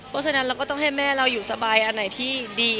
เพราะฉะนั้นเราก็ต้องให้แม่เราอยู่สบายอันไหนที่ดี